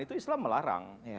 itu islam melarang